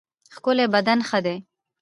ښکلی بدن ښه دی.